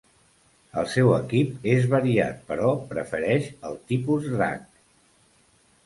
El seu equip és variat, però prefereix el tipus Drac.